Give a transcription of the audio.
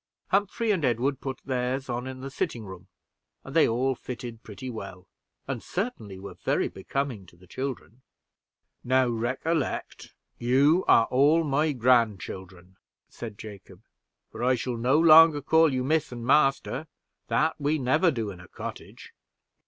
Humphrey and Edward put theirs on in the sitting room, and they all fitted pretty well, and certainly were very becoming to the children. "Now, recollect, you are all my grandchildren," said Jacob; "for I shall no longer call you Miss and Master that we never do in a cottage.